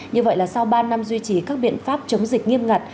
như vậy là sau ba năm duy trì các biện pháp chống dịch nghiêm ngặt